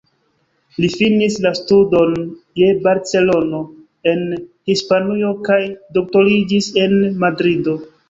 Li finis la studon je Barcelono en Hispanujo kaj doktoriĝis en Madrido.